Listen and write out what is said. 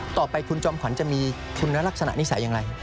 ต่อไปคุณจอมขวัญจะมีคุณลักษณะนิสัยอย่างไร